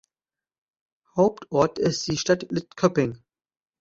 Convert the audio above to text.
Hauptort ist die Stadt Lidköping.